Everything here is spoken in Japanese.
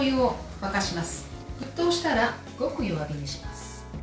沸騰したらごく弱火にします。